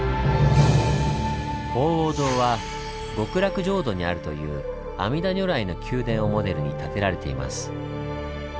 鳳凰堂は極楽浄土にあるという阿弥陀如来の宮殿をモデルに建てられています。